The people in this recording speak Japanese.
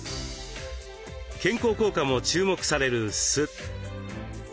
健康効果も注目される酢。